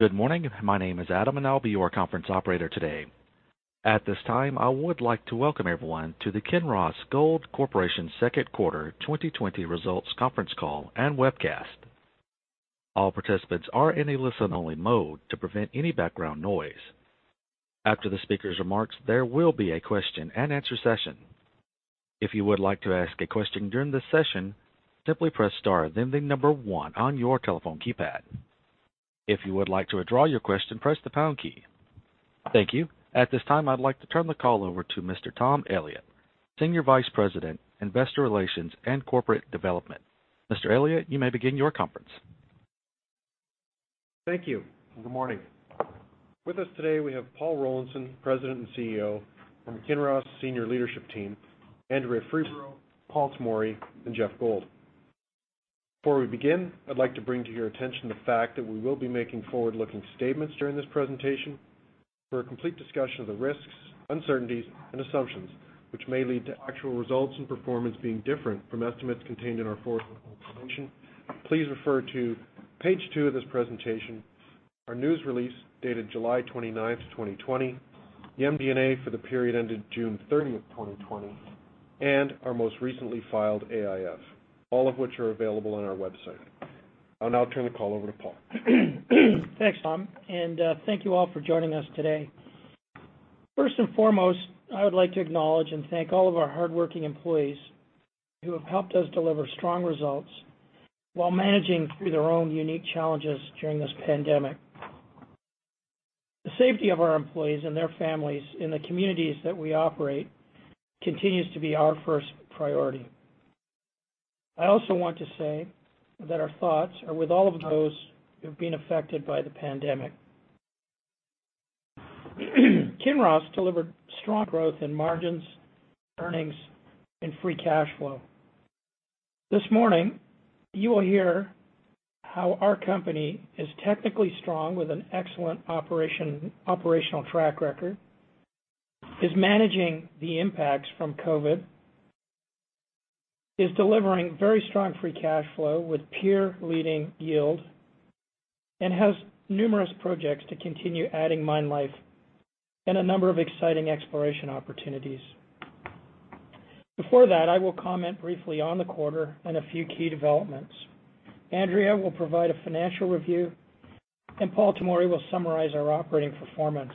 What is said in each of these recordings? Good morning. My name is Adam. I'll be your conference operator today. At this time, I would like to welcome everyone to the Kinross Gold Corporation second quarter 2020 results conference call and webcast. All participants are in a listen-only mode to prevent any background noise. After the speaker's remarks, there will be a question-and-answer session. If you would like to ask a question during this session, simply press star, then the number one on your telephone keypad. If you would like to withdraw your question, press the pound key. Thank you. At this time, I'd like to turn the call over to Mr. Tom Elliott, Senior Vice President, Investor Relations and Corporate Development. Mr. Elliott, you may begin your conference. Thank you. Good morning. With us today, we have Paul Rollinson, President and CEO, from Kinross Senior Leadership Team, Andrea Freeborough, Paul Tomory, and Geoff Gold. Before we begin, I'd like to bring to your attention the fact that we will be making forward-looking statements during this presentation. For a complete discussion of the risks, uncertainties, and assumptions which may lead to actual results and performance being different from estimates contained in our forward-looking information, please refer to page two of this presentation, our news release dated July 29th, 2020, the MD&A for the period ending June 30th, 2020, and our most recently filed AIF. All of which are available on our website. I'll now turn the call over to Paul. Thanks, Tom. Thank you all for joining us today. First and foremost, I would like to acknowledge and thank all of our hardworking employees who have helped us deliver strong results while managing through their own unique challenges during this pandemic. The safety of our employees and their families in the communities that we operate continues to be our first priority. I also want to say that our thoughts are with all of those who've been affected by the pandemic. Kinross delivered strong growth in margins, earnings, and free cash flow. This morning, you will hear how our company is technically strong with an excellent operational track record, is managing the impacts from COVID, is delivering very strong free cash flow with peer-leading yield, and has numerous projects to continue adding mine life and a number of exciting exploration opportunities. Before that, I will comment briefly on the quarter and a few key developments. Andrea will provide a financial review, and Paul Tomory will summarize our operating performance.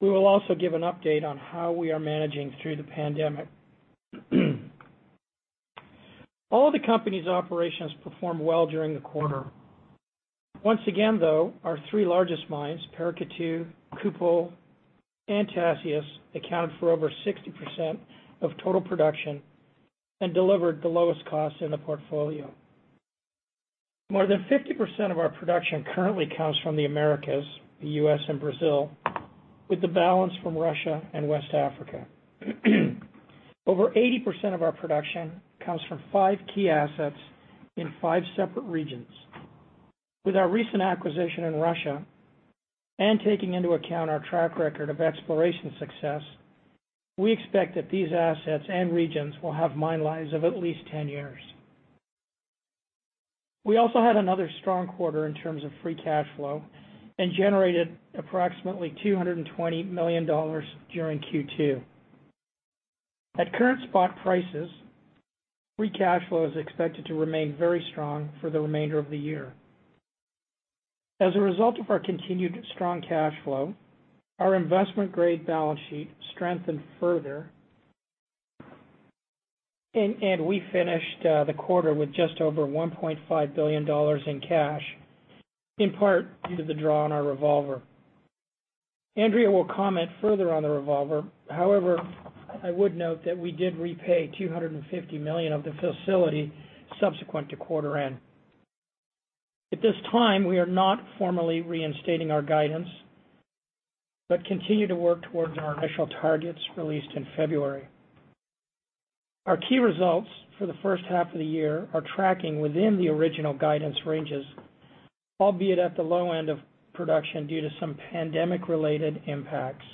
We will also give an update on how we are managing through the pandemic. All the company's operations performed well during the quarter. Once again, though, our three largest mines, Paracatu, Kupol, and Tasiast, accounted for over 60% of total production and delivered the lowest cost in the portfolio. More than 50% of our production currently comes from the Americas, the U.S. and Brazil, with the balance from Russia and West Africa. Over 80% of our production comes from five key assets in five separate regions. With our recent acquisition in Russia, and taking into account our track record of exploration success, we expect that these assets and regions will have mine lives of at least 10 years. We also had another strong quarter in terms of free cash flow and generated approximately $220 million during Q2. At current spot prices, free cash flow is expected to remain very strong for the remainder of the year. As a result of our continued strong cash flow, our investment-grade balance sheet strengthened further, and we finished the quarter with just over $1.5 billion in cash, in part due to the draw on our revolver. Andrea will comment further on the revolver. However, I would note that we did repay $250 million of the facility subsequent to quarter end. At this time, we are not formally reinstating our guidance, continue to work towards our initial targets released in February. Our key results for the first half of the year are tracking within the original guidance ranges, albeit at the low end of production due to some pandemic-related impacts.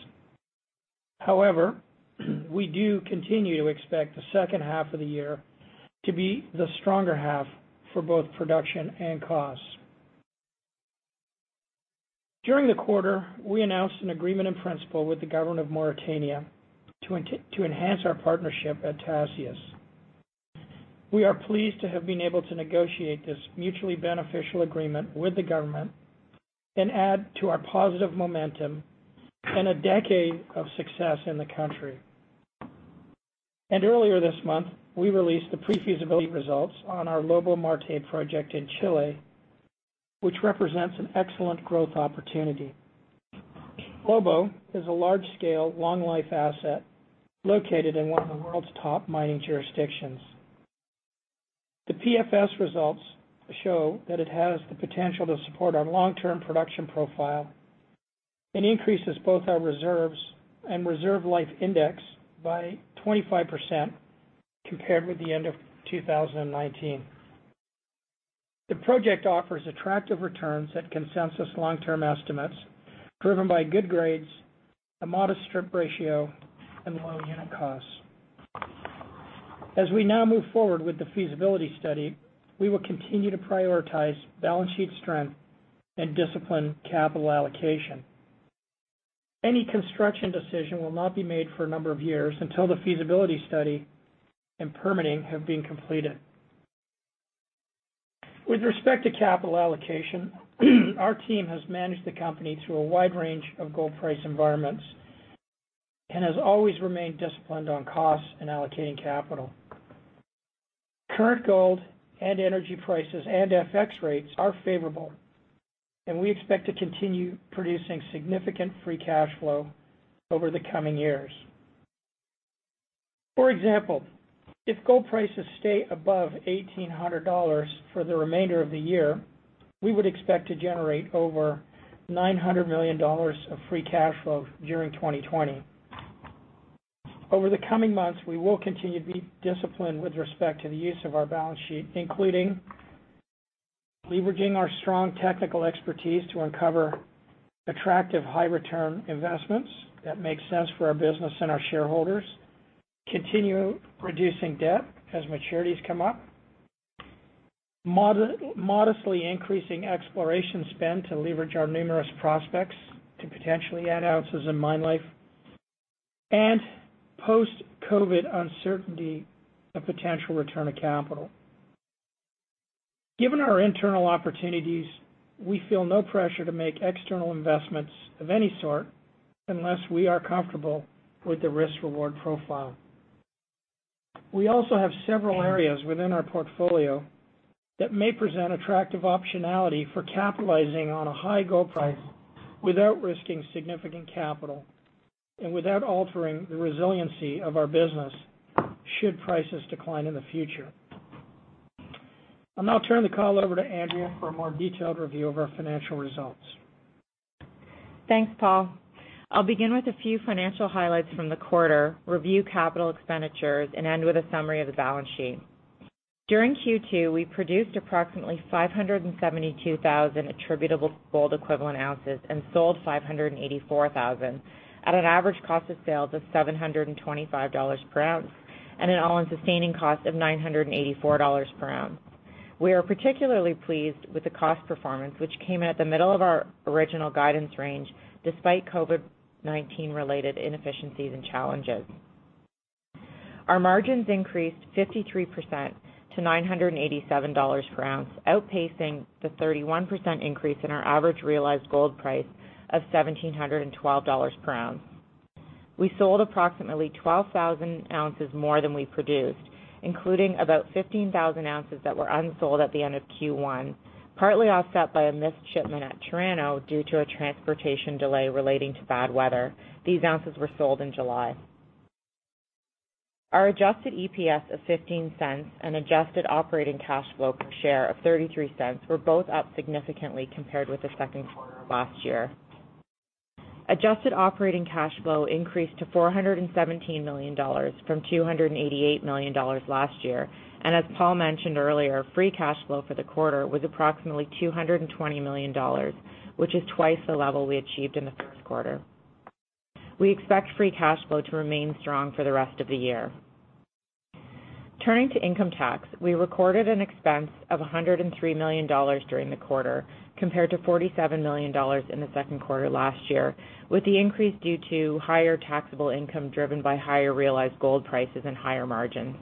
We do continue to expect the second half of the year to be the stronger half for both production and costs. During the quarter, we announced an agreement in principle with the government of Mauritania to enhance our partnership at Tasiast. We are pleased to have been able to negotiate this mutually beneficial agreement with the government and add to our positive momentum and a decade of success in the country. Earlier this month, we released the pre-feasibility results on our Lobo-Marte project in Chile, which represents an excellent growth opportunity. Lobo is a large-scale, long-life asset located in one of the world's top mining jurisdictions. The PFS results show that it has the potential to support our long-term production profile and increases both our reserves and reserve life index by 25% compared with the end of 2019. The project offers attractive returns at consensus long-term estimates, driven by good grades, a modest strip ratio, and low unit costs. As we now move forward with the feasibility study, we will continue to prioritize balance sheet strength and discipline capital allocation. Any construction decision will not be made for a number of years until the feasibility study and permitting have been completed. With respect to capital allocation, our team has managed the company through a wide range of gold price environments and has always remained disciplined on costs and allocating capital. Current gold and energy prices and FX rates are favorable, and we expect to continue producing significant free cash flow over the coming years. For example, if gold prices stay above $1,800 for the remainder of the year, we would expect to generate over $900 million of free cash flow during 2020. Over the coming months, we will continue to be disciplined with respect to the use of our balance sheet, including leveraging our strong technical expertise to uncover attractive high return investments that make sense for our business and our shareholders, continue reducing debt as maturities come up, modestly increasing exploration spend to leverage our numerous prospects to potentially add ounces in mine life, and post-COVID uncertainty of potential return of capital. Given our internal opportunities, we feel no pressure to make external investments of any sort unless we are comfortable with the risk-reward profile. We also have several areas within our portfolio that may present attractive optionality for capitalizing on a high gold price without risking significant capital and without altering the resiliency of our business should prices decline in the future. I'll now turn the call over to Andrea for a more detailed review of our financial results. Thanks, Paul. I will begin with a few financial highlights from the quarter, review capital expenditures, and end with a summary of the balance sheet. During Q2, we produced approximately 572,000 attributable gold equivalent ounces and sold 584,000 at an average cost of sales of $725 per ounce and an all-in sustaining cost of $984 per ounce. We are particularly pleased with the cost performance, which came in at the middle of our original guidance range, despite COVID-19 related inefficiencies and challenges. Our margins increased 53% to $987 per ounce, outpacing the 31% increase in our average realized gold price of $1,712 per ounce. We sold approximately 12,000 ounces more than we produced, including about 15,000 ounces that were unsold at the end of Q1, partly offset by a missed shipment at Toronto due to a transportation delay relating to bad weather. These ounces were sold in July. Our adjusted EPS of $0.15 and adjusted operating cash flow per share of $0.33 were both up significantly compared with the second quarter of last year. Adjusted operating cash flow increased to $417 million from $288 million last year. As Paul mentioned earlier, free cash flow for the quarter was approximately $220 million, which is twice the level we achieved in the first quarter. We expect free cash flow to remain strong for the rest of the year. Turning to income tax, we recorded an expense of $103 million during the quarter, compared to $47 million in the second quarter last year, with the increase due to higher taxable income driven by higher realized gold prices and higher margins.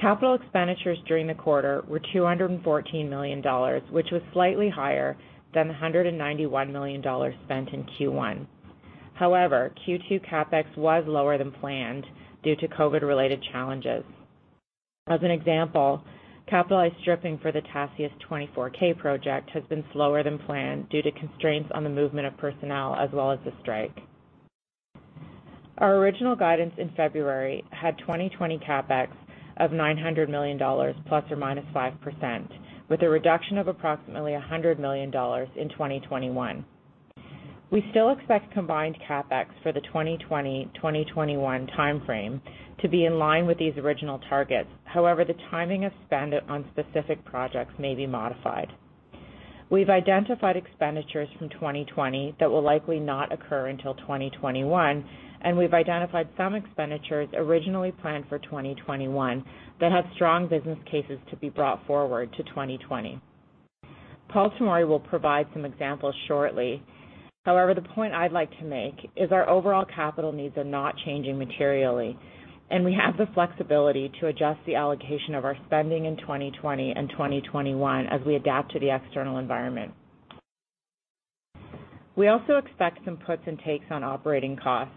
Capital expenditures during the quarter were $214 million, which was slightly higher than the $191 million spent in Q1. However, Q2 CapEx was lower than planned due to COVID-related challenges. As an example, capitalized stripping for the Tasiast 24k project has been slower than planned due to constraints on the movement of personnel as well as the strike. Our original guidance in February had 2020 CapEx of $900 million ±5%, with a reduction of approximately $100 million in 2021. We still expect combined CapEx for the 2020-2021 timeframe to be in line with these original targets. However, the timing of spend on specific projects may be modified. We've identified expenditures from 2020 that will likely not occur until 2021, and we've identified some expenditures originally planned for 2021 that have strong business cases to be brought forward to 2020. Paul Tomory will provide some examples shortly. The point I'd like to make is our overall capital needs are not changing materially, and we have the flexibility to adjust the allocation of our spending in 2020 and 2021 as we adapt to the external environment. We also expect some puts and takes on operating costs,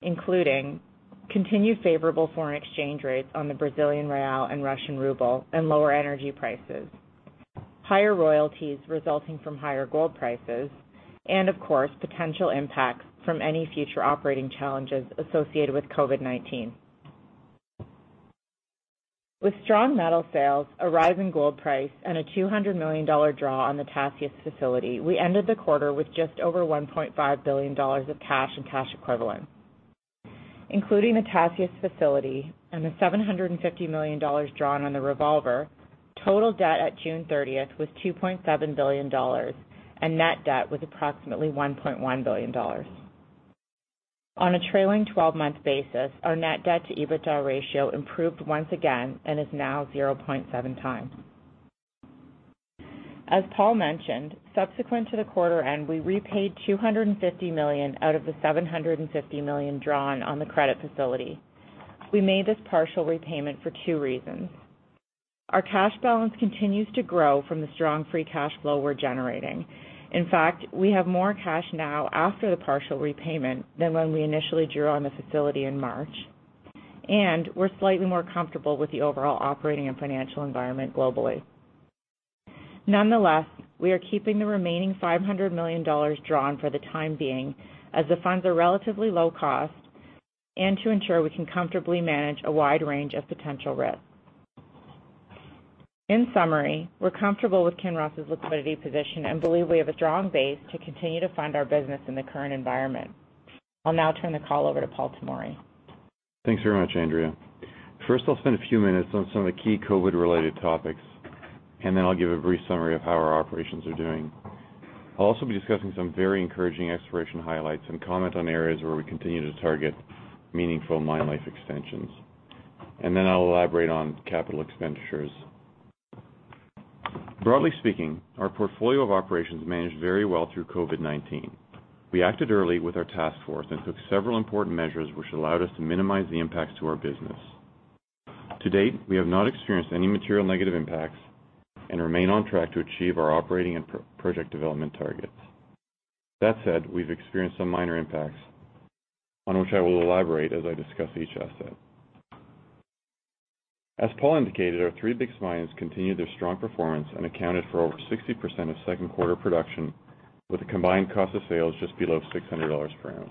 including continued favorable foreign exchange rates on the Brazilian real and Russian ruble and lower energy prices, higher royalties resulting from higher gold prices, and of course, potential impacts from any future operating challenges associated with COVID-19. With strong metal sales, a rise in gold price, and a $200 million draw on the Tasiast facility, we ended the quarter with just over $1.5 billion of cash and cash equivalents. Including the Tasiast facility and the $750 million drawn on the revolver, total debt at June 30th was $2.7 billion, and net debt was approximately $1.1 billion. On a trailing 12-month basis, our net debt to EBITDA ratio improved once again and is now 0.7x. As Paul mentioned, subsequent to the quarter end, we repaid $250 million out of the $750 million drawn on the credit facility. We made this partial repayment for two reasons. Our cash balance continues to grow from the strong free cash flow we're generating. In fact, we have more cash now after the partial repayment than when we initially drew on the facility in March, and we're slightly more comfortable with the overall operating and financial environment globally. Nonetheless, we are keeping the remaining $500 million drawn for the time being as the funds are relatively low cost and to ensure we can comfortably manage a wide range of potential risks. In summary, we're comfortable with Kinross's liquidity position and believe we have a strong base to continue to fund our business in the current environment. I'll now turn the call over to Paul Tomory. Thanks very much, Andrea. I'll spend a few minutes on some of the key COVID-related topics, and then I'll give a brief summary of how our operations are doing. I'll also be discussing some very encouraging exploration highlights and comment on areas where we continue to target meaningful mine life extensions. I'll elaborate on capital expenditures. Broadly speaking, our portfolio of operations managed very well through COVID-19. We acted early with our task force and took several important measures, which allowed us to minimize the impacts to our business. To date, we have not experienced any material negative impacts and remain on track to achieve our operating and project development targets. That said, we've experienced some minor impacts on which I will elaborate as I discuss each asset. As Paul indicated, our three biggest mines continued their strong performance and accounted for over 60% of second quarter production with a combined cost of sales just below $600 per ounce.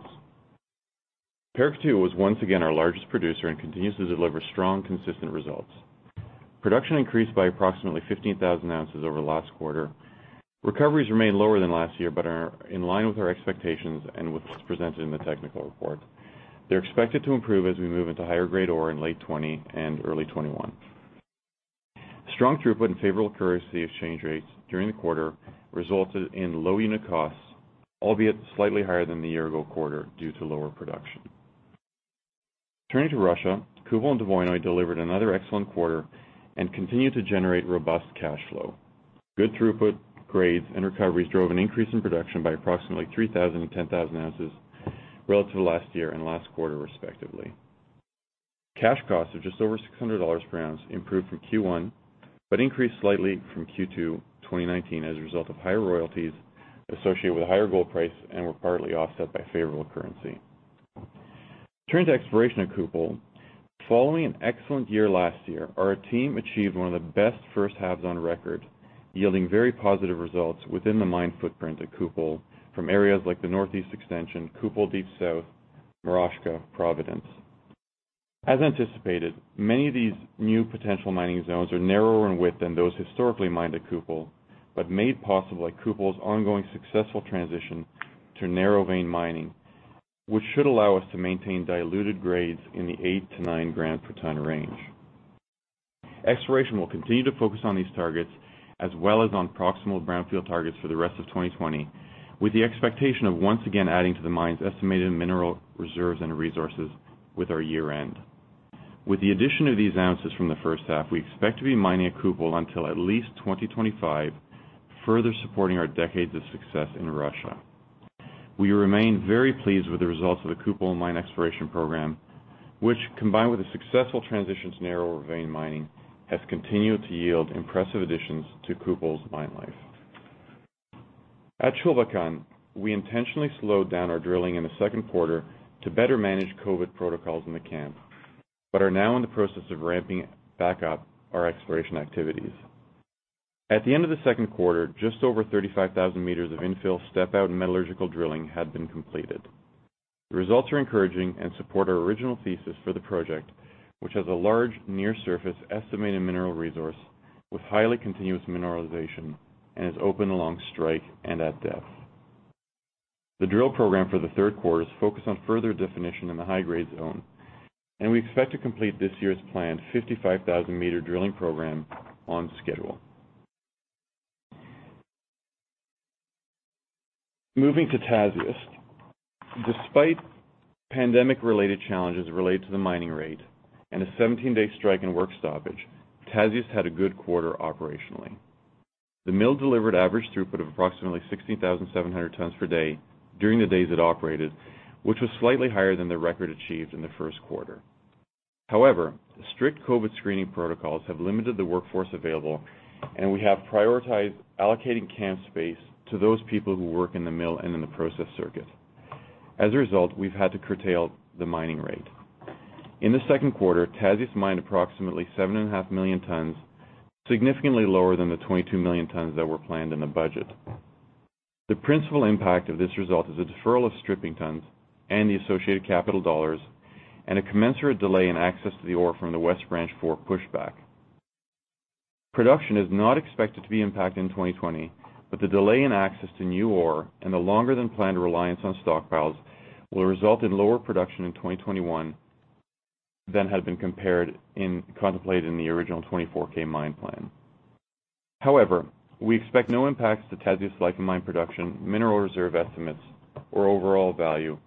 Paracatu was once again our largest producer and continues to deliver strong, consistent results. Production increased by approximately 15,000 ounces over last quarter. Recoveries remain lower than last year but are in line with our expectations and what was presented in the technical report. They're expected to improve as we move into higher-grade ore in late 2020 and early 2021. Strong throughput and favorable currency exchange rates during the quarter resulted in low unit costs, albeit slightly higher than the year ago quarter due to lower production. Turning to Russia, Kupol and Dvoinoye delivered another excellent quarter and continued to generate robust cash flow. Good throughput grades and recoveries drove an increase in production by approximately 3,000 and 10,000 ounces relative to last year and last quarter respectively. Cash costs of just over $600 per ounce improved from Q1 but increased slightly from Q2 2019 as a result of higher royalties associated with a higher gold price and were partly offset by favorable currency. Turning to exploration at Kupol. Following an excellent year last year, our team achieved one of the best first halves on record, yielding very positive results within the mine footprint at Kupol from areas like the Northeast Extension, Kupol Deep South, Moroshka, Providence. As anticipated, many of these new potential mining zones are narrower in width than those historically mined at Kupol, but made possible at Kupol's ongoing successful transition to narrow vein mining, which should allow us to maintain diluted grades in the 8 to 9 grams per tonne range. Exploration will continue to focus on these targets as well as on proximal brownfield targets for the rest of 2020, with the expectation of once again adding to the mine's estimated mineral reserves and resources with our year-end. With the addition of these ounces from the first half, we expect to be mining at Kupol until at least 2025, further supporting our decades of success in Russia. We remain very pleased with the results of the Kupol mine exploration program, which, combined with a successful transition to narrow vein mining, has continued to yield impressive additions to Kupol's mine life. At Chulbatkan, we intentionally slowed down our drilling in the second quarter to better manage COVID protocols in the camp. We are now in the process of ramping back up our exploration activities. At the end of the second quarter, just over 35,000 meters of infill step-out metallurgical drilling had been completed. The results are encouraging and support our original thesis for the project, which has a large near-surface estimated mineral resource with highly continuous mineralization and is open along strike and at depth. The drill program for the third quarter is focused on further definition in the high-grade zone. We expect to complete this year's planned 55,000-meter drilling program on schedule. Moving to Tasiast. Despite pandemic-related challenges related to the mining rate and a 17-day strike and work stoppage, Tasiast had a good quarter operationally. The mill delivered average throughput of approximately 16,700 tons per day during the days it operated, which was slightly higher than the record achieved in the first quarter. However, strict COVID screening protocols have limited the workforce available, and we have prioritized allocating camp space to those people who work in the mill and in the process circuit. As a result, we've had to curtail the mining rate. In the second quarter, Tasiast mined approximately 7.5 million tons, significantly lower than the 22 million tons that were planned in the budget. The principal impact of this result is a deferral of stripping tons and the associated capital dollars and a commensurate delay in access to the ore from the West Branch 4 push back. Production is not expected to be impacted in 2020. The delay in access to new ore and the longer than planned reliance on stockpiles will result in lower production in 2021 than had been contemplated in the original 24k mine plan. We expect no impacts to Tasiast life of mine production, mineral reserve estimates, or overall value,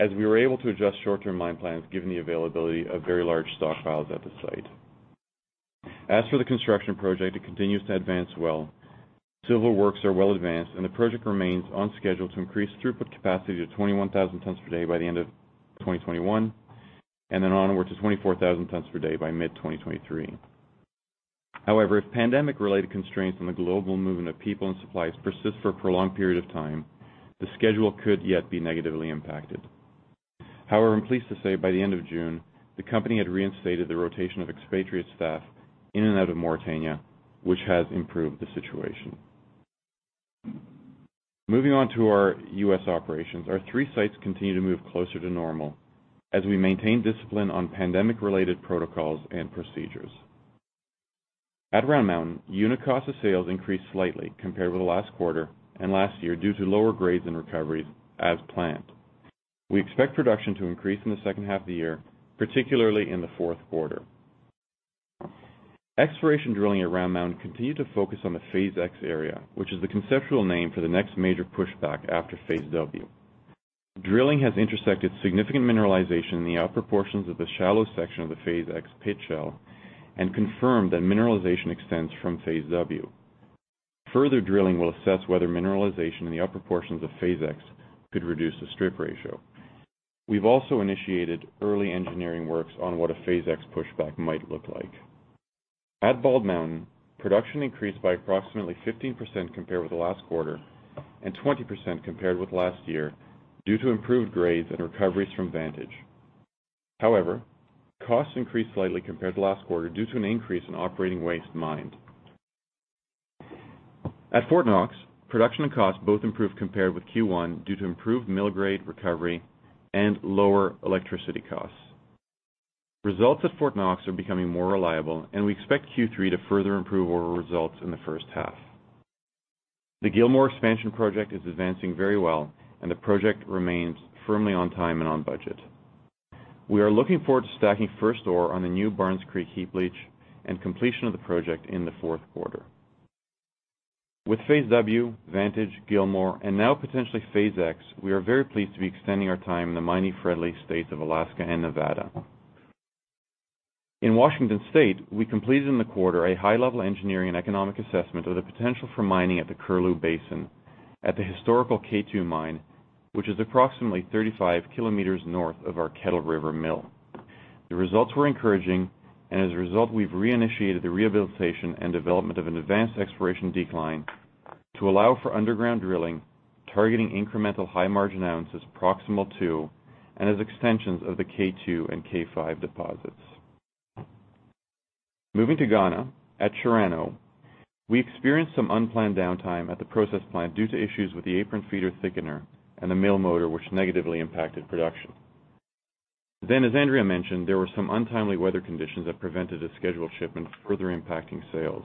as we were able to adjust short-term mine plans given the availability of very large stockpiles at the site. As for the construction project, it continues to advance well. Civil works are well advanced, and the project remains on schedule to increase throughput capacity to 21,000 tons per day by the end of 2021, and then onwards to 24,000 tons per day by mid-2023. If pandemic-related constraints on the global movement of people and supplies persist for a prolonged period of time, the schedule could yet be negatively impacted. I'm pleased to say by the end of June, the company had reinstated the rotation of expatriate staff in and out of Mauritania, which has improved the situation. Moving on to our U.S. operations, our three sites continue to move closer to normal as we maintain discipline on pandemic-related protocols and procedures. At Round Mountain, unit cost of sales increased slightly compared with last quarter and last year due to lower grades and recoveries as planned. We expect production to increase in the second half of the year, particularly in the fourth quarter. Exploration drilling at Round Mountain continued to focus on the Phase X area, which is the conceptual name for the next major pushback after Phase W. Drilling has intersected significant mineralization in the upper portions of the shallow section of the Phase X pit shell and confirmed that mineralization extends from Phase W. Further drilling will assess whether mineralization in the upper portions of Phase X could reduce the strip ratio. We've also initiated early engineering works on what a Phase X pushback might look like. At Bald Mountain, production increased by approximately 15% compared with last quarter and 20% compared with last year due to improved grades and recoveries from Vantage. However, costs increased slightly compared to last quarter due to an increase in operating waste mined. At Fort Knox, production and cost both improved compared with Q1 due to improved mill-grade recovery and lower electricity costs. Results at Fort Knox are becoming more reliable, and we expect Q3 to further improve over results in the first half. The Gilmore expansion project is advancing very well, and the project remains firmly on time and on budget. We are looking forward to stacking first ore on the new Barnes Creek heap leach and completion of the project in the fourth quarter. With Phase W, Vantage, Gilmore, and now potentially Phase X, we are very pleased to be extending our time in the mining-friendly states of Alaska and Nevada. In Washington State, we completed in the quarter a high-level engineering and economic assessment of the potential for mining at the Curlew Basin at the historical K2 mine, which is approximately 35 km north of our Kettle River mill. As a result, we've reinitiated the rehabilitation and development of an advanced exploration decline to allow for underground drilling, targeting incremental high-margin ounces proximal to and as extensions of the K2 and K5 deposits. Moving to Ghana, at Chirano, we experienced some unplanned downtime at the process plant due to issues with the apron feeder thickener and the mill motor, which negatively impacted production. As Andrea mentioned, there were some untimely weather conditions that prevented a scheduled shipment, further impacting sales.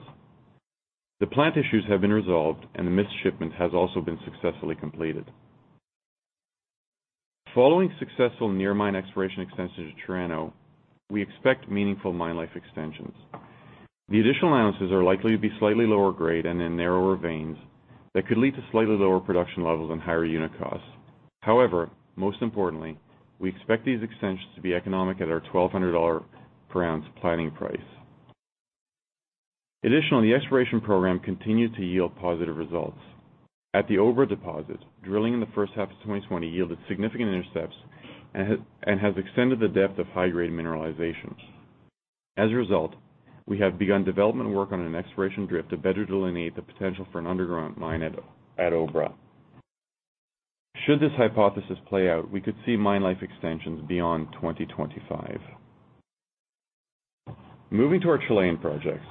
The plant issues have been resolved, and the missed shipment has also been successfully completed. Following successful near mine exploration extension to Chirano, we expect meaningful mine life extensions. The additional ounces are likely to be slightly lower grade and in narrower veins that could lead to slightly lower production levels and higher unit costs. However, most importantly, we expect these extensions to be economic at our $1,200 per ounce planning price. Additionally, the exploration program continued to yield positive results. At the Obra deposit, drilling in the first half of 2020 yielded significant intercepts and has extended the depth of high-grade mineralizations. As a result, we have begun development work on an exploration drift to better delineate the potential for an underground mine at Obra. Should this hypothesis play out, we could see mine life extensions beyond 2025. Moving to our Chilean projects,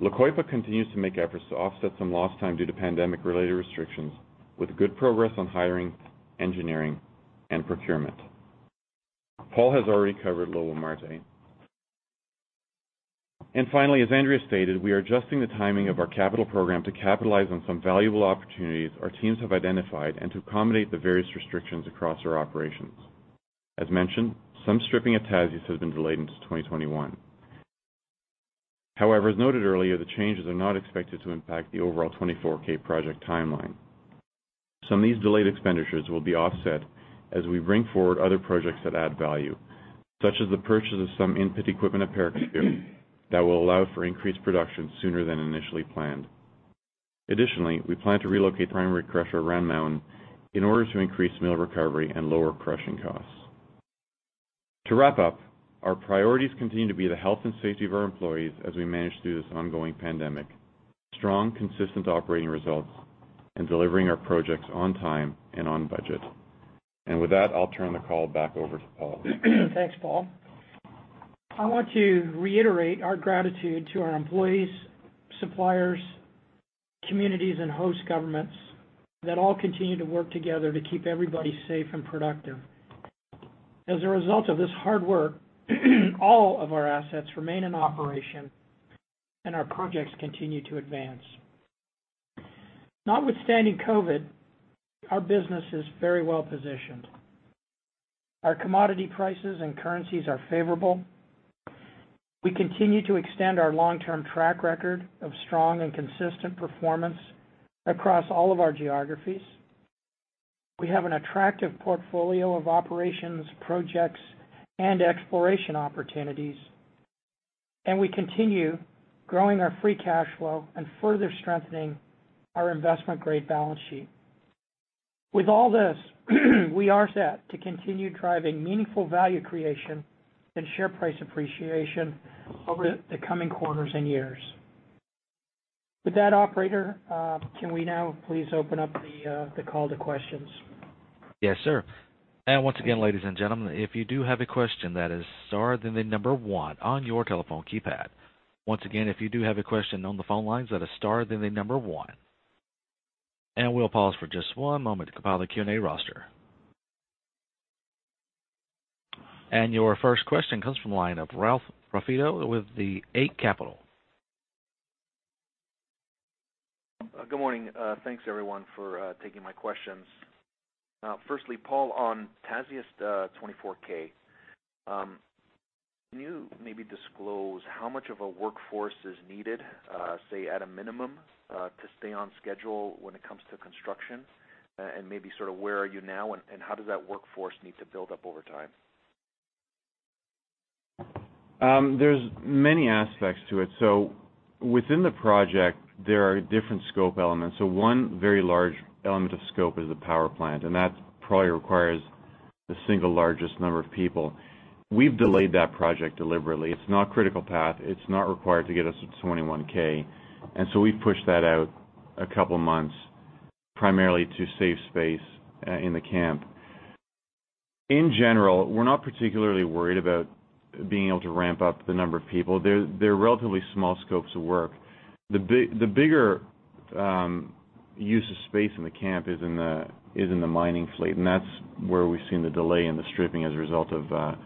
La Coipa continues to make efforts to offset some lost time due to pandemic-related restrictions with good progress on hiring, engineering, and procurement. Paul has already covered Lobo-Marte. Finally, as Andrea stated, we are adjusting the timing of our capital program to capitalize on some valuable opportunities our teams have identified and to accommodate the various restrictions across our operations. As mentioned, some stripping at Tasiast has been delayed into 2021. However, as noted earlier, the changes are not expected to impact the overall 24k project timeline. Some of these delayed expenditures will be offset as we bring forward other projects that add value, such as the purchase of some in-pit equipment at Paracatu that will allow for increased production sooner than initially planned. Additionally, we plan to relocate the primary crusher at Round Mountain in order to increase mill recovery and lower crushing costs. To wrap up, our priorities continue to be the health and safety of our employees as we manage through this ongoing pandemic, strong, consistent operating results, and delivering our projects on time and on budget. With that, I'll turn the call back over to Paul. Thanks, Paul. I want to reiterate our gratitude to our employees, suppliers, communities, and host governments that all continue to work together to keep everybody safe and productive. As a result of this hard work, all of our assets remain in operation and our projects continue to advance. Notwithstanding COVID, our business is very well positioned. Our commodity prices and currencies are favorable. We continue to extend our long-term track record of strong and consistent performance across all of our geographies. We have an attractive portfolio of operations, projects, and exploration opportunities, and we continue growing our free cash flow and further strengthening our investment-grade balance sheet. With all this, we are set to continue driving meaningful value creation and share price appreciation over the coming quarters and years. With that, operator, can we now please open up the call to questions? Yes, sir. Once again, ladies and gentlemen, if you do have a question, that is star, then the number one on your telephone keypad. Once again, if you do have a question on the phone lines, that is star, then the number one. We'll pause for just one moment to compile the Q&A roster. Your first question comes from the line of Ralph Profiti with the Eight Capital. Good morning. Thanks, everyone, for taking my questions. Firstly, Paul, on Tasiast 24k, can you maybe disclose how much of a workforce is needed, say, at a minimum, to stay on schedule when it comes to construction? Maybe sort of where are you now, and how does that workforce need to build up over time? There's many aspects to it. Within the project, there are different scope elements. One very large element of scope is the power plant, and that probably requires the single largest number of people. We've delayed that project deliberately. It's not critical path. It's not required to get us to 21k. We've pushed that out a couple of months, primarily to save space in the camp. In general, we're not particularly worried about being able to ramp up the number of people. They're relatively small scopes of work. The bigger use of space in the camp is in the mining fleet, and that's where we've seen the delay in the stripping as a result of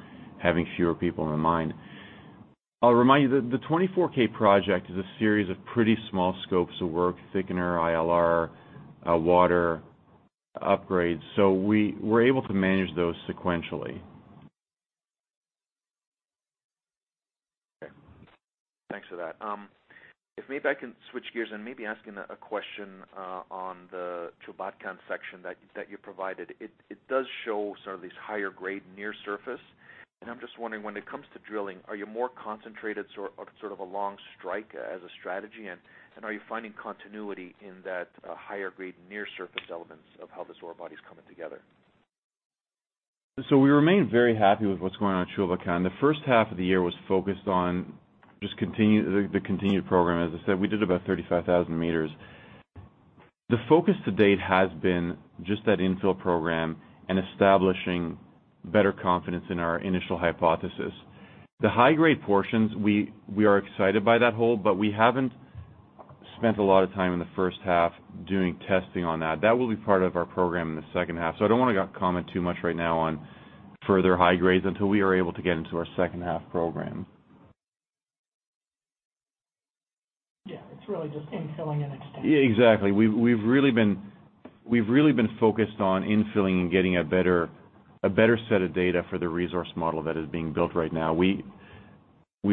having fewer people in the mine. I'll remind you that the 24k project is a series of pretty small scopes of work, thickener, ILR, water upgrades, so we're able to manage those sequentially. Okay. Thanks for that. If maybe I can switch gears and maybe asking a question on the Chulbatkan section that you provided. It does show sort of these higher grade near surface, and I'm just wondering when it comes to drilling, are you more concentrated sort of a long strike as a strategy? Are you finding continuity in that higher grade near surface elements of how this ore body's coming together? We remain very happy with what's going on at Chulbatkan. The first half of the year was focused on just the continued program. As I said, we did about 35,000 meters. The focus to date has been just that infill program and establishing better confidence in our initial hypothesis. The high-grade portions, we are excited by that hole, but we haven't spent a lot of time in the first half doing testing on that. That will be part of our program in the second half. I don't want to comment too much right now on further high grades until we are able to get into our second half program. Yeah, it's really just infilling and extension. Yeah, exactly. We've really been focused on infilling and getting a better set of data for the resource model that is being built right now. We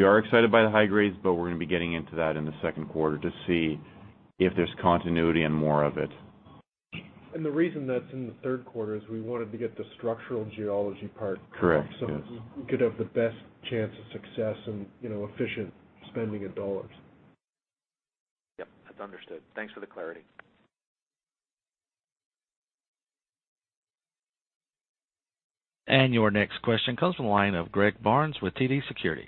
are excited by the high grades, but we're going to be getting into that in the second quarter to see if there's continuity and more of it. The reason that's in the third quarter is we wanted to get the structural geology part. Correct. Yes. We could have the best chance of success and efficient spending of dollars. Yep, that's understood. Thanks for the clarity. Your next question comes from the line of Greg Barnes with TD Securities.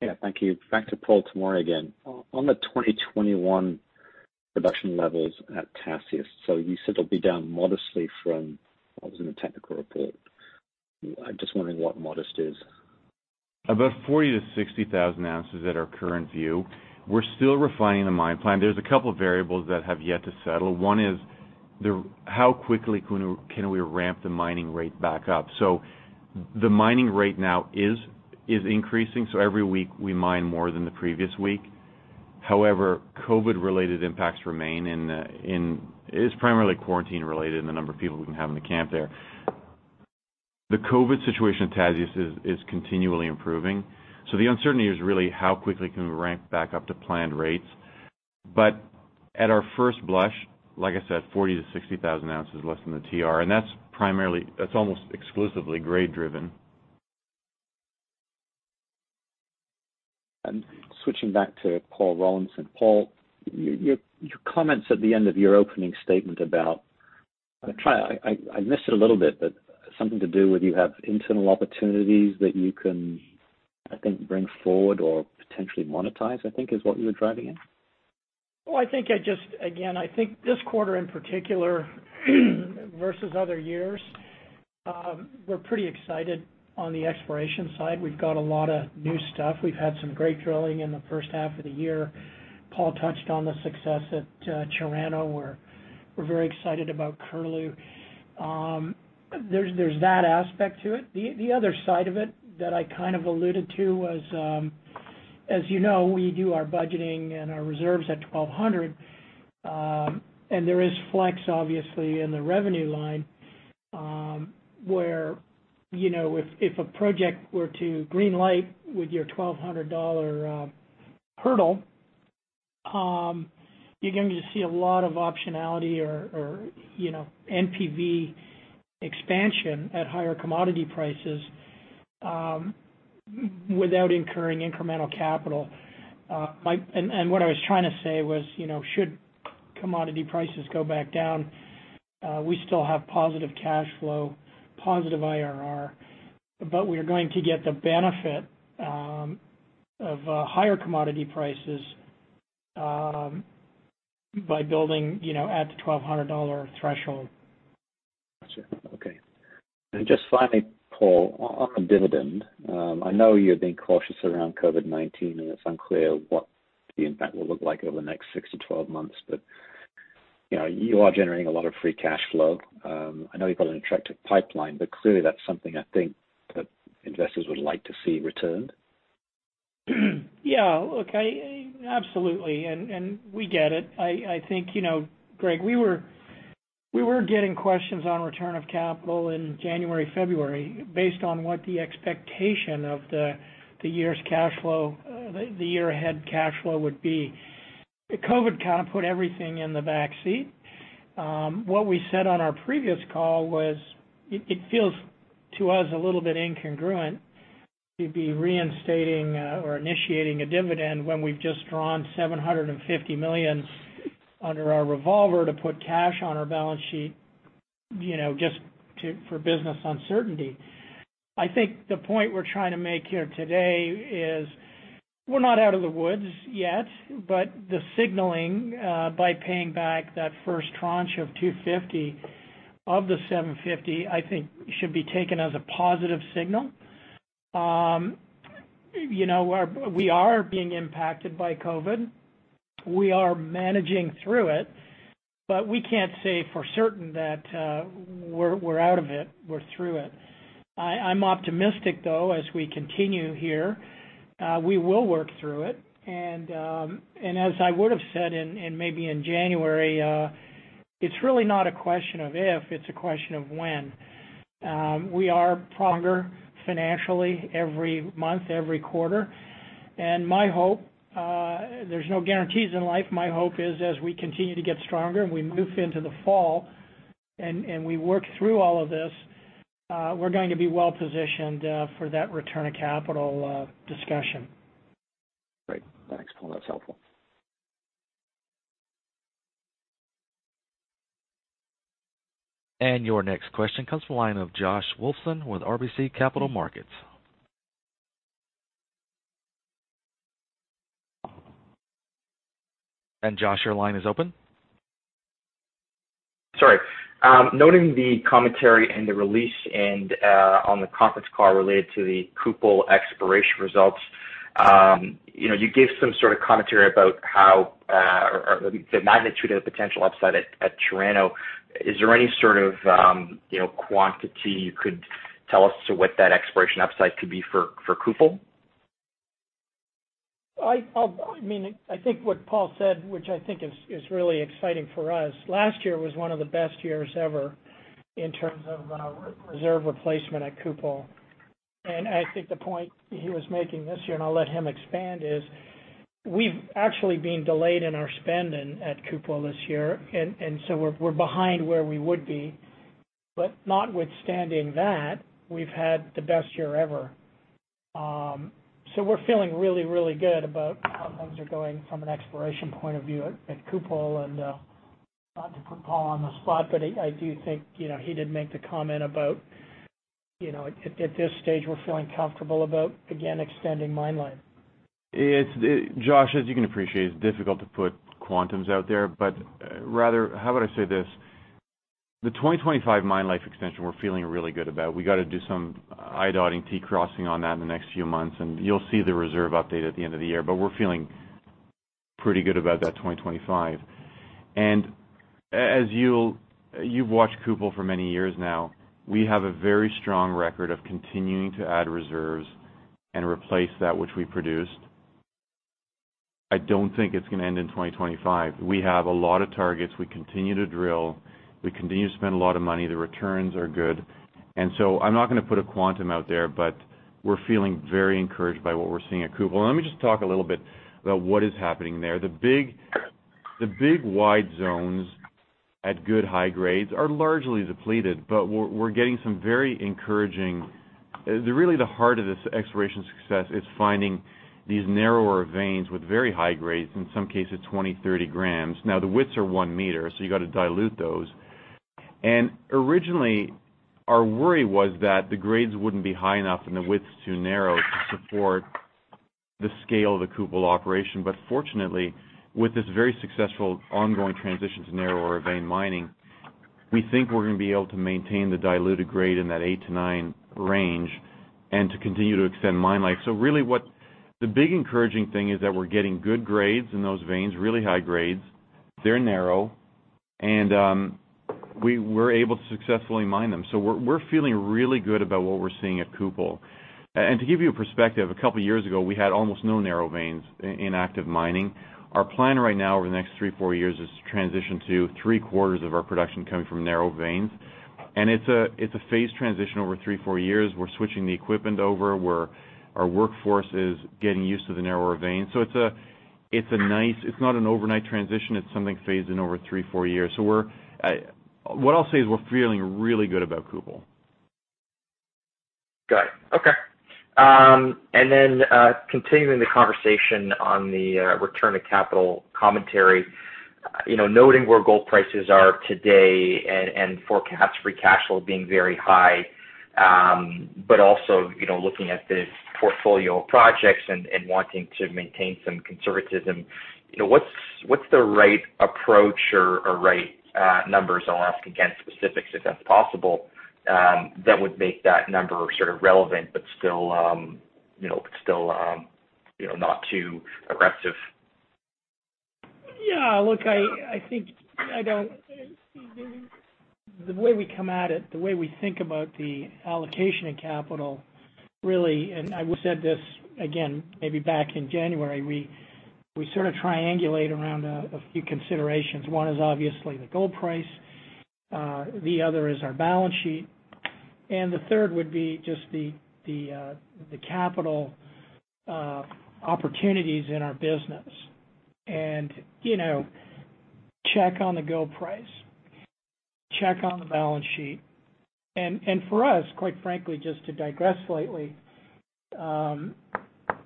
Yeah, thank you. Back to Paul Tomory again. On the 2021 production levels at Tasiast, so you said they'll be down modestly from what was in the technical report. I'm just wondering what modest is. About 40,000-60,000 ounces at our current view. We're still refining the mine plan. There's a couple of variables that have yet to settle. One is how quickly can we ramp the mining rate back up. The mining rate now is increasing, so every week we mine more than the previous week. However, COVID-related impacts remain, and it is primarily quarantine-related and the number of people we can have in the camp there. The COVID situation at Tasiast is continually improving. The uncertainty is really how quickly can we ramp back up to planned rates. At our first blush, like I said, 40,000-60,000 ounces less than the TR, and that's almost exclusively grade driven. Switching back to Paul Rollinson. Paul, your comments at the end of your opening statement about, I missed it a little bit, but something to do with you have internal opportunities that you can, I think, bring forward or potentially monetize, I think is what you were driving at? Well, I think I just, again, I think this quarter in particular versus other years, we're pretty excited on the exploration side. We've got a lot of new stuff. We've had some great drilling in the first half of the year. Paul touched on the success at Chirano where we're very excited about Curlew. There's that aspect to it. The other side of it that I kind of alluded to was, as you know, we do our budgeting and our reserves at $1,200. There is flex, obviously, in the revenue line, where if a project were to green-light with your $1,200 hurdle, you're going to see a lot of optionality or NPV expansion at higher commodity prices without incurring incremental capital. What I was trying to say was, should commodity prices go back down, we still have positive cash flow, positive IRR, but we are going to get the benefit of higher commodity prices by building at the $1,200 threshold. Got you. Okay. Just finally, Paul, on dividend, I know you're being cautious around COVID-19, and it's unclear what the impact will look like over the next six to 12 months, but you are generating a lot of free cash flow. I know you've got an attractive pipeline, but clearly, that's something I think that investors would like to see returned. Yeah. Look, absolutely. We get it. I think, Greg, we were getting questions on return of capital in January, February based on what the expectation of the year ahead cash flow would be. The COVID kind of put everything in the back seat. What we said on our previous call was, it feels to us a little bit incongruent to be reinstating or initiating a dividend when we've just drawn $750 million under our revolver to put cash on our balance sheet, just for business uncertainty. I think the point we're trying to make here today is, we're not out of the woods yet, but the signaling by paying back that first tranche of $250 of the $750, I think should be taken as a positive signal. We are being impacted by COVID. We are managing through it, but we can't say for certain that we're out of it, we're through it. I'm optimistic, though, as we continue here. We will work through it. As I would've said maybe in January, it's really not a question of if, it's a question of when. We are stronger financially every month, every quarter. My hope, there's no guarantees in life, my hope is as we continue to get stronger and we move into the fall and we work through all of this, we're going to be well-positioned for that return of capital discussion. Great. Thanks, Paul. That's helpful. Your next question comes from the line of Josh Wolfson with RBC Capital Markets. Josh, your line is open. Sorry. Noting the commentary and the release and on the conference call related to the Kupol exploration results, you gave some sort of commentary about how the magnitude of the potential upside at Chirano. Is there any sort of quantity you could tell us to what that exploration upside could be for Kupol? I think what Paul said, which I think is really exciting for us, last year was one of the best years ever in terms of our reserve replacement at Kupol. I think the point he was making this year, and I'll let him expand, is we've actually been delayed in our spending at Kupol this year, and so we're behind where we would be. Notwithstanding that, we've had the best year ever. We're feeling really, really good about how things are going from an exploration point of view at Kupol. Not to put Paul on the spot, but I do think he did make the comment about at this stage, we're feeling comfortable about, again, extending mine life. Josh, as you can appreciate, it's difficult to put quantums out there, but rather, how about I say this? The 2025 mine life extension, we're feeling really good about. We got to do some i dotting t crossing on that in the next few months, and you'll see the reserve update at the end of the year. We're feeling pretty good about that 2025. As you've watched Kupol for many years now, we have a very strong record of continuing to add reserves and replace that which we produced. I don't think it's going to end in 2025. We have a lot of targets. We continue to drill. We continue to spend a lot of money. The returns are good. I'm not going to put a quantum out there, but we're feeling very encouraged by what we're seeing at Kupol. Let me just talk a little bit about what is happening there. The big wide zones at good high grades are largely depleted, but we're getting some very encouraging. Really the heart of this exploration success is finding these narrower veins with very high grades, in some cases 20 g, 30 g. Now, the widths are one meter, so you got to dilute those. Originally, our worry was that the grades wouldn't be high enough and the widths too narrow to support the scale of the Kupol operation. Fortunately, with this very successful ongoing transition to narrower vein mining. We think we're going to be able to maintain the diluted grade in that eight to nine range and to continue to extend mine life. Really, the big encouraging thing is that we're getting good grades in those veins, really high grades. They're narrow, we're able to successfully mine them. We're feeling really good about what we're seeing at Kupol. To give you a perspective, a couple of years ago, we had almost no narrow veins in active mining. Our plan right now, over the next three, four years, is to transition to three-quarters of our production coming from narrow veins. It's a phase transition over three, four years. We're switching the equipment over, our workforce is getting used to the narrower veins. It's not an overnight transition. It's something phased in over three, four years. What I'll say is we're feeling really good about Kupol. Got it. Okay. Continuing the conversation on the return of capital commentary, noting where gold prices are today and forecast free cash flow being very high. Looking at the portfolio of projects and wanting to maintain some conservatism, what's the right approach or right numbers, I'll ask again, specifics, if that's possible, that would make that number sort of relevant, but still not too aggressive? Look, the way we come at it, the way we think about the allocation of capital, really, and I said this again maybe back in January, we sort of triangulate around a few considerations. One is obviously the gold price, the other is our balance sheet, and the third would be just the capital opportunities in our business. Check on the gold price, check on the balance sheet. For us, quite frankly, just to digress slightly,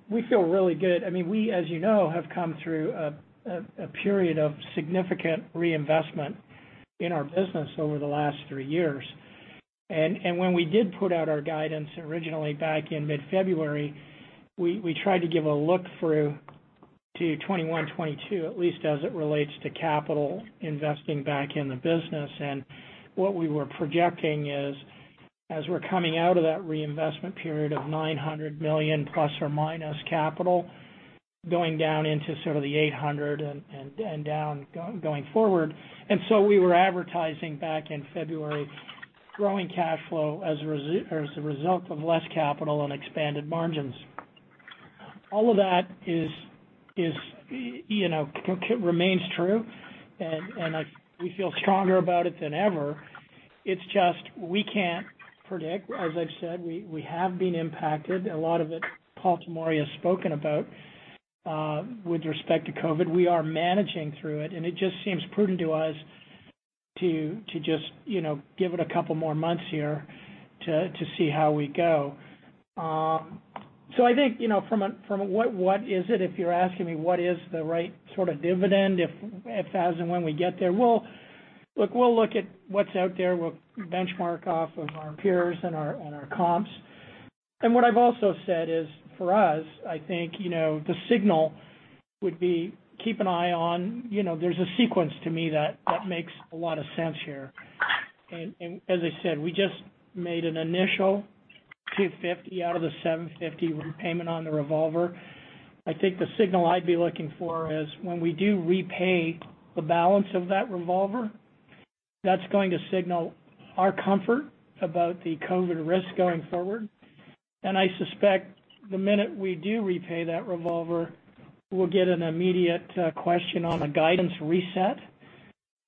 we feel really good. We, as you know, have come through a period of significant reinvestment in our business over the last three years. When we did put out our guidance originally back in mid-February, we tried to give a look through to 2021, 2022, at least as it relates to capital investing back in the business. What we were projecting is, as we're coming out of that reinvestment period of $900 million ± capital, going down into sort of the $800 and down going forward. We were advertising back in February, growing cash flow as a result of less capital and expanded margins. All of that remains true, and we feel stronger about it than ever. It's just, we can't predict. As I've said, we have been impacted, a lot of it Paul Tomory has spoken about with respect to COVID. We are managing through it, and it just seems prudent to us to just give it a couple more months here to see how we go. I think, if you're asking me what is the right sort of dividend, if, as and when we get there, we'll look at what's out there. We'll benchmark off of our peers and our comps. What I've also said is, for us, I think the signal would be keep an eye on, there's a sequence to me that makes a lot of sense here. As I said, we just made an initial $250 out of the $750 repayment on the revolver. I think the signal I'd be looking for is when we do repay the balance of that revolver, that's going to signal our comfort about the COVID risk going forward. I suspect the minute we do repay that revolver, we'll get an immediate question on a guidance reset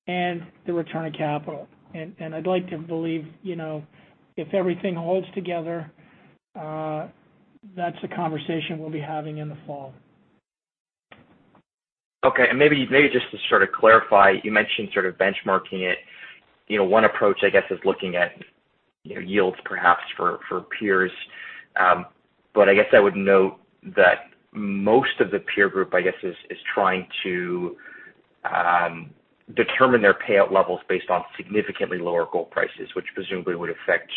and the return of capital. I'd like to believe, if everything holds together, that's a conversation we'll be having in the fall. Okay. Maybe just to sort of clarify, you mentioned sort of benchmarking it. One approach, I guess, is looking at yields perhaps for peers. I guess I would note that most of the peer group, I guess, is trying to determine their payout levels based on significantly lower gold prices, which presumably would affect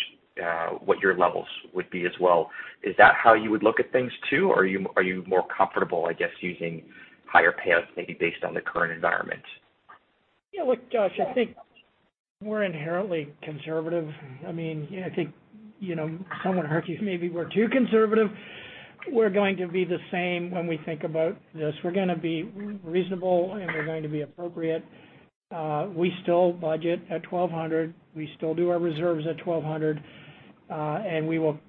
what your levels would be as well. Is that how you would look at things too, or are you more comfortable, I guess, using higher payouts maybe based on the current environment? Yeah. Look, Josh, I think we're inherently conservative. I think someone argues maybe we're too conservative. We're going to be the same when we think about this. We're going to be reasonable, and we're going to be appropriate. We still budget at $1,200. We still do our reserves at $1,200. We will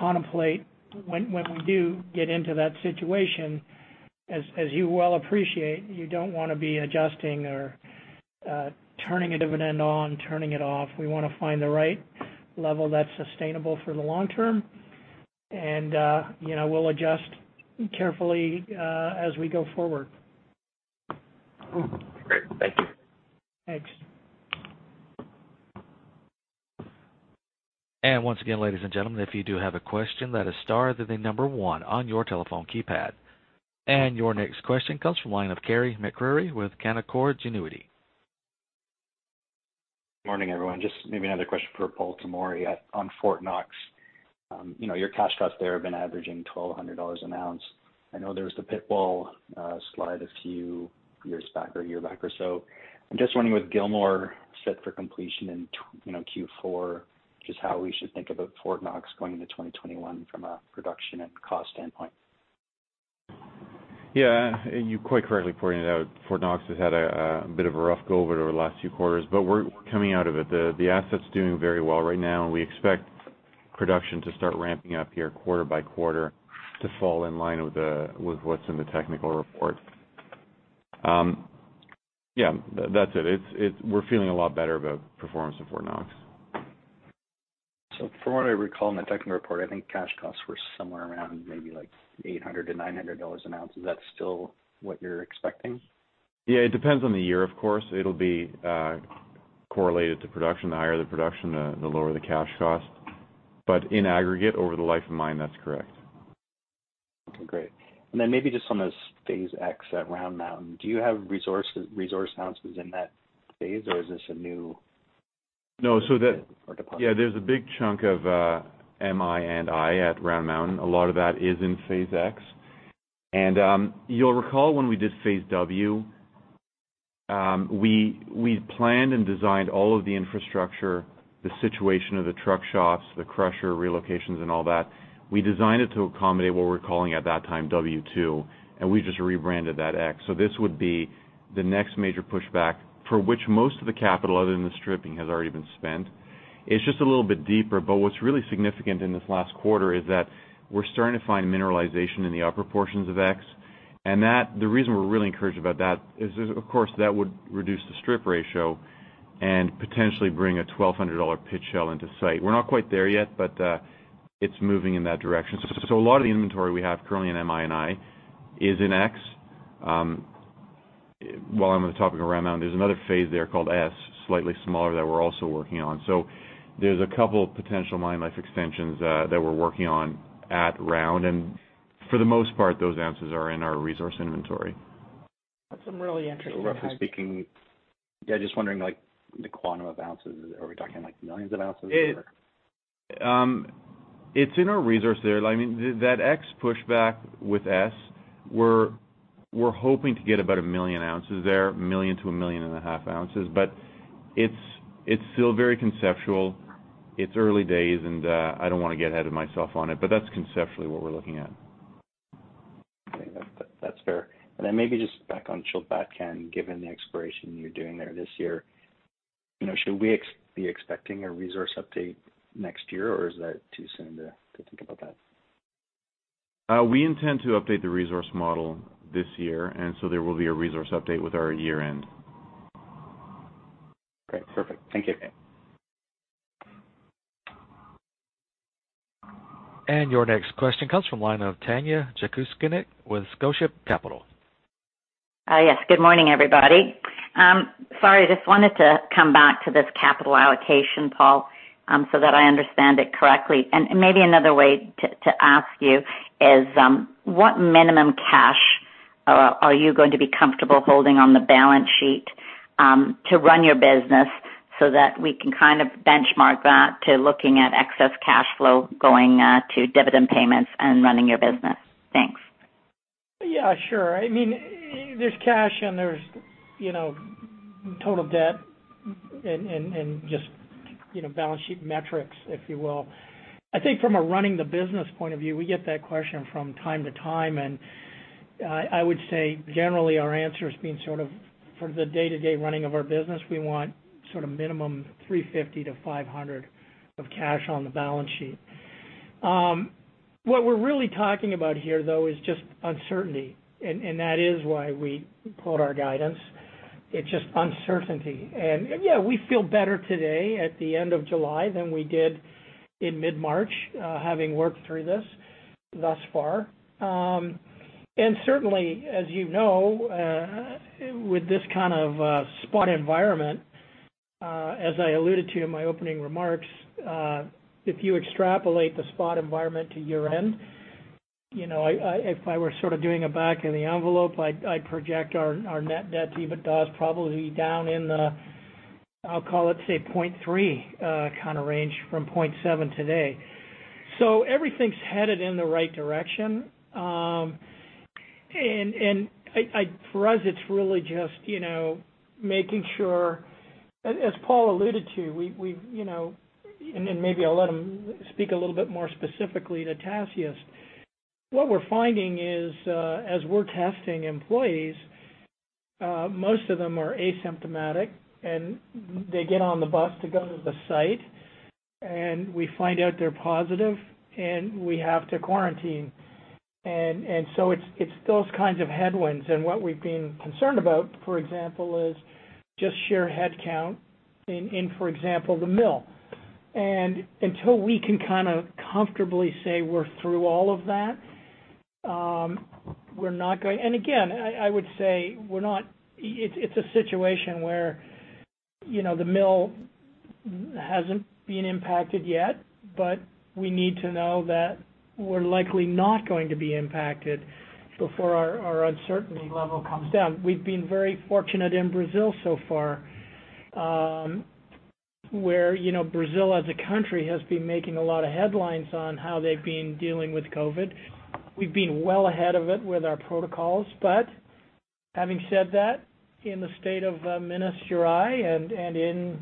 contemplate when we do get into that situation. As you well appreciate, you don't want to be adjusting or turning a dividend on, turning it off. We want to find the right level that's sustainable for the long term. We'll adjust carefully as we go forward. Great. Thank you. Thanks. Once again, ladies and gentlemen, if you do have a question, that is star, then the number one on your telephone keypad. Your next question comes from line of Carey MacRury with Canaccord Genuity. Morning, everyone. Just maybe another question for Paul Tomory on Fort Knox. Your cash costs there have been averaging $1,200 an ounce. I know there was the pit wall slide a few years back or a year back or so. I'm just wondering, with Gilmore set for completion in Q4, just how we should think about Fort Knox going into 2021 from a production and cost standpoint. Yeah. You quite correctly pointed out Fort Knox has had a bit of a rough go over the last few quarters, but we're coming out of it. The asset's doing very well right now, and we expect production to start ramping up here quarter by quarter to fall in line with what's in the technical report. Yeah, that's it. We're feeling a lot better about performance of Fort Knox. From what I recall in the technical report, I think cash costs were somewhere around maybe like $800-$900 an ounce. Is that still what you're expecting? Yeah, it depends on the year, of course. It'll be correlated to production. The higher the production, the lower the cash cost. In aggregate, over the life of mine, that's correct. Okay, great. Maybe just on this Phase X at Round Mountain, do you have resource ounces in that phase? No. -or department? Yeah, there is a big chunk of M&I and I at Round Mountain. A lot of that is in Phase X. You will recall when we did Phase W, we planned and designed all of the infrastructure, the situation of the truck shops, the crusher relocations, and all that. We designed it to accommodate what we were calling at that time W2, and we just rebranded that X. This would be the next major pushback, for which most of the capital, other than the stripping, has already been spent. It is just a little bit deeper, but what is really significant in this last quarter is that we are starting to find mineralization in the upper portions of X. The reason we are really encouraged about that is, of course, that would reduce the strip ratio and potentially bring a $1,200 pit shell into site. We're not quite there yet, but it's moving in that direction. A lot of the inventory we have currently in M&I and I is in X. While I'm on the topic of Round Mountain, there's another phase there called S, slightly smaller, that we're also working on. There's a couple potential mine life extensions that we're working on at Round. For the most part, those answers are in our resource inventory. That's some really interesting- Roughly speaking, just wondering the quantum of ounces. Are we talking millions of ounces or? It's in our resource there. That X pushback with S, we're hoping to get about 1 million ounces there, 1 million-1.5 million ounces. It's still very conceptual. It's early days, and I don't want to get ahead of myself on it, but that's conceptually what we're looking at. Okay. That's fair. Then maybe just back on Chulbatkan, given the exploration you're doing there this year, should we be expecting a resource update next year, or is that too soon to think about that? We intend to update the resource model this year, and so there will be a resource update with our year-end. Great. Perfect. Thank you. Your next question comes from line of Tanya Jakusconek with Scotia Capital. Yes, good morning, everybody. Sorry, just wanted to come back to this capital allocation, Paul, so that I understand it correctly. Maybe another way to ask you is, what minimum cash are you going to be comfortable holding on the balance sheet to run your business so that we can kind of benchmark that to looking at excess cash flow going to dividend payments and running your business? Thanks. Yeah, sure. There's cash and there's total debt and just balance sheet metrics, if you will. I think from a running the business point of view, we get that question from time to time, and I would say generally our answer has been sort of for the day-to-day running of our business, we want minimum $350 million-$500 milllion of cash on the balance sheet. What we're really talking about here, though, is just uncertainty, and that is why we pulled our guidance. It's just uncertainty. Yeah, we feel better today at the end of July than we did in mid-March, having worked through this thus far. Certainly, as you know, with this kind of spot environment, as I alluded to in my opening remarks, if you extrapolate the spot environment to year-end, if I were sort of doing a back of the envelope, I'd project our net debt to EBITDA is probably down in the, I'll call it, say, 0.3 kind of range from 0.7 today. Everything's headed in the right direction. For us, it's really just making sure, as Paul alluded to, and maybe I'll let him speak a little bit more specifically to Tasiast. What we're finding is as we're testing employees, most of them are asymptomatic, and they get on the bus to go to the site, and we find out they're positive, and we have to quarantine. It's those kinds of headwinds, and what we've been concerned about, for example, is just sheer headcount in, for example, the mill. Until we can kind of comfortably say we're through all of that, I would say it's a situation where the mill hasn't been impacted yet, but we need to know that we're likely not going to be impacted before our uncertainty level comes down. We've been very fortunate in Brazil so far. Where Brazil as a country has been making a lot of headlines on how they've been dealing with COVID. We've been well ahead of it with our protocols. Having said that, in the state of Minas Gerais, and in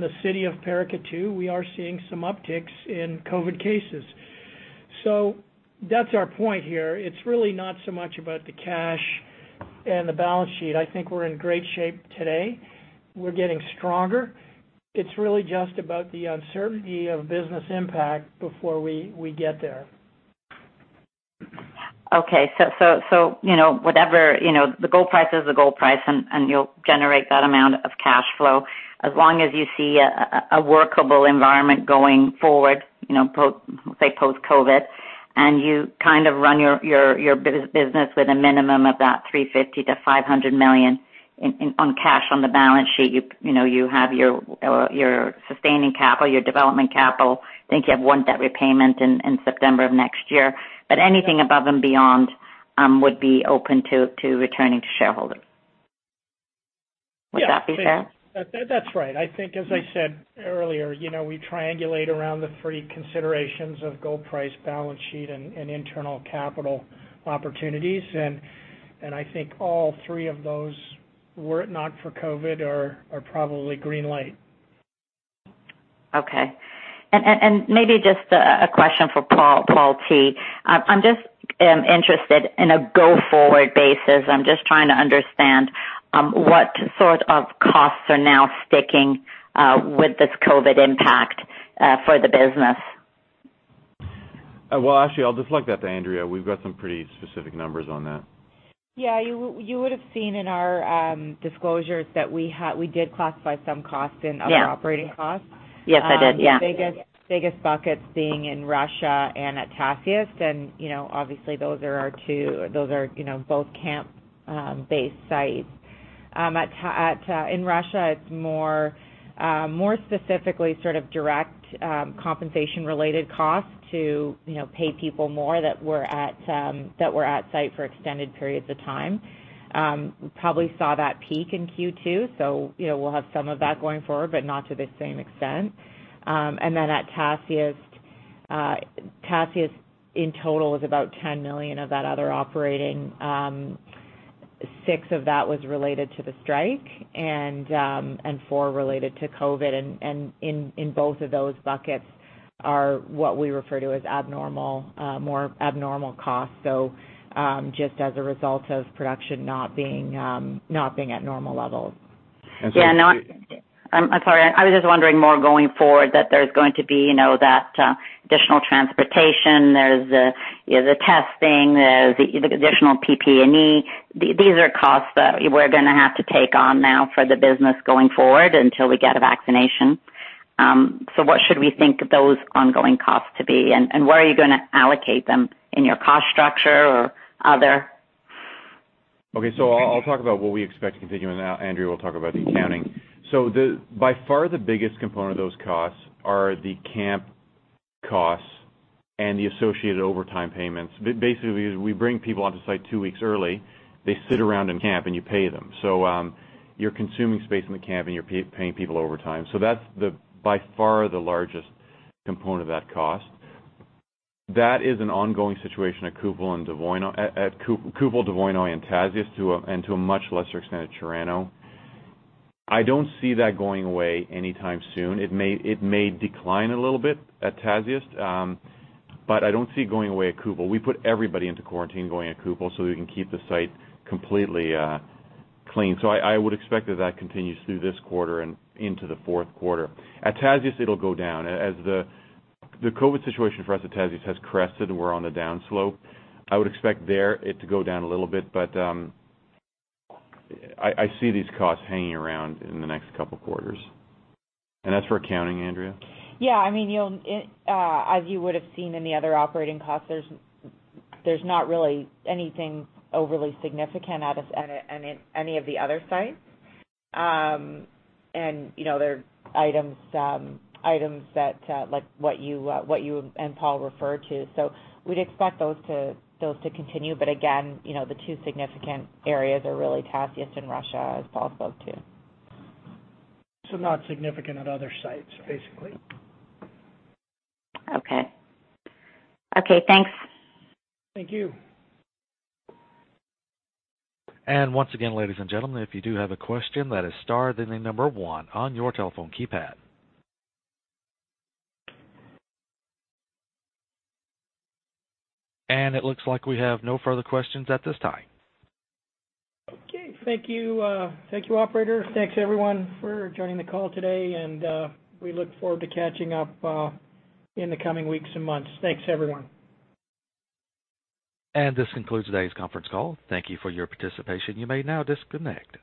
the city of Paracatu, we are seeing some upticks in COVID cases. That's our point here. It's really not so much about the cash and the balance sheet. I think we're in great shape today. We're getting stronger. It's really just about the uncertainty of business impact before we get there. The gold price is the gold price, and you'll generate that amount of cash flow as long as you see a workable environment going forward, say, post-COVID, and you kind of run your business with a minimum of that $350 million-$500 million in cash on the balance sheet. You have your sustaining capital, your development capital. I think you have one debt repayment in September of next year. Anything above and beyond would be open to returning to shareholders. Yeah. Would that be fair? That's right. I think, as I said earlier, we triangulate around the three considerations of gold price, balance sheet, and internal capital opportunities. I think all three of those, were it not for COVID, are probably green light. Okay. Maybe just a question for Paul T. I'm just interested in a go-forward basis. I'm just trying to understand what sort of costs are now sticking with this COVID impact for the business. Well, actually, I'll deflect that to Andrea. We've got some pretty specific numbers on that. Yeah. You would've seen in our disclosures that we did classify some costs in other operating costs. Yes, I did. Yeah. The biggest buckets being in Russia and at Tasiast. Obviously, those are both camp-based sites. In Russia, it's more specifically sort of direct compensation related costs to pay people more that were at site for extended periods of time. We probably saw that peak in Q2. We'll have some of that going forward, but not to the same extent. At Tasiast in total is about $10 million of that other operating. Six of that was related to the strike and four related to COVID. In both of those buckets are what we refer to as more abnormal costs, just as a result of production not being at normal levels. And so- Yeah, no, I'm sorry, I was just wondering more going forward that there's going to be that additional transportation, there's the testing, there's the additional PP&E. These are costs that we're going to have to take on now for the business going forward until we get a vaccination. What should we think those ongoing costs to be, and where are you going to allocate them in your cost structure or other? I'll talk about what we expect to continue, and Andrea Freeborough will talk about the accounting. By far, the biggest component of those costs are the camp costs and the associated overtime payments. Basically, we bring people onto site two weeks early. They sit around in camp, and you pay them. You're consuming space in the camp, and you're paying people overtime. That's by far the largest component of that cost. That is an ongoing situation at Kupol, Dvoinoye, and Tasiast, and to a much lesser extent, at Chirano. I don't see that going away anytime soon. It may decline a little bit at Tasiast. I don't see it going away at Kupol. We put everybody into quarantine going at Kupol so we can keep the site completely clean. I would expect that that continues through this quarter and into the fourth quarter. At Tasiast, it'll go down. As the COVID situation for us at Tasiast has crested, and we're on the downslope, I would expect it to go down a little bit, but I see these costs hanging around in the next couple of quarters. As for accounting, Andrea? Yeah. As you would've seen in the other operating costs, there's not really anything overly significant out of any of the other sites. There are items that, like what you and Paul referred to, so we'd expect those to continue. Again, the two significant areas are really Tasiast and Russia, as Paul spoke to. Not significant at other sites, basically. Okay. Okay, thanks. Thank you. Once again, ladies and gentlemen, if you do have a question, that is star, then the number one on your telephone keypad. It looks like we have no further questions at this time. Okay. Thank you. Thank you, operator. Thanks, everyone, for joining the call today, and we look forward to catching up in the coming weeks and months. Thanks, everyone. This concludes today's conference call. Thank you for your participation. You may now disconnect.